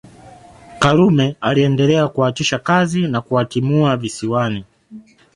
Karume aliendelea kuwaachisha kazi na kuwatimua Visiwani